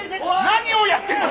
何をやってるんだ！？